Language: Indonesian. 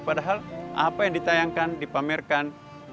padahal apa yang ditayangkan dipamerkan